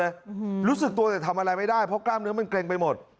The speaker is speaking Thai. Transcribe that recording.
อืมรู้สึกตัวแต่ทำอะไรไม่ได้เพราะกล้ามเนื้อมันเกร็งไปหมด